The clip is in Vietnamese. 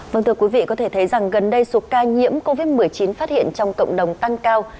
vâng thưa quý vị có thể thấy rằng gần đây số ca nhiễm covid một mươi chín phát hiện trong cộng đồng tăng cao